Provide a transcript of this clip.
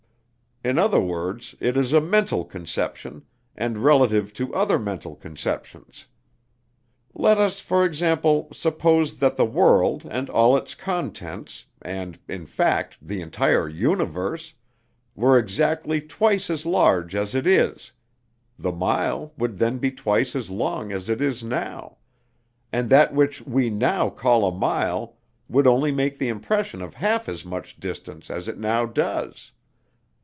In other words, it is a mental conception, and relative to other mental conceptions. Let us, for example, suppose that the world and all its contents, and, in fact, the entire universe, were exactly twice as large as it is, the mile would then be twice as long as it is now; and that which we now call a mile would only make the impression of half as much distance as it now does.